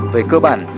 về cơ bản